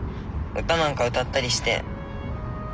歌なんか歌ったりして。